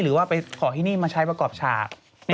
หรือว่าไปขอที่นี่มาใช้ประกอบฉาก